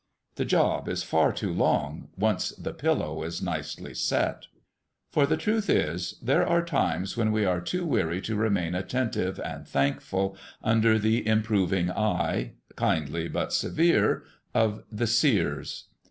The job is far too long, once the pillow is nicely set. For the truth is, there are times when we are too weary to remain attentive and thankful under the improving eye, kindly but severe, of the seers.